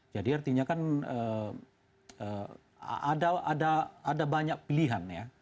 jadi artinya kan ada banyak pilihan ya